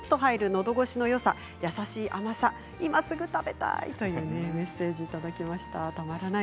のどごしのよさ、優しい甘さ今すぐ食べたいというメッセージです。